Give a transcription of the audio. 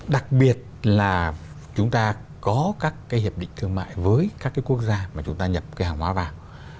đặc biệt là chúng ta có các cái hiệp định thương mại với các cái quốc gia mà chúng ta nhập cái hàng hóa vào